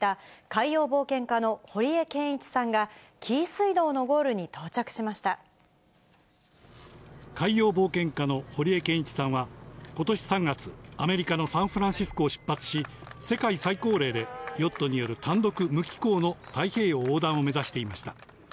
海洋冒険家の堀江謙一さんは、ことし３月、アメリカのサンフランシスコを出発し、世界最高齢でヨットによる単独無寄港の太平洋横断を目指していました。